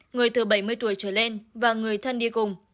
người từ bảy mươi tuổi trở lên và người thân đi cùng